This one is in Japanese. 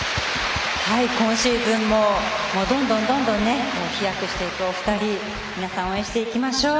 今シーズンもどんどん飛躍していくお二人皆さん応援していきましょう。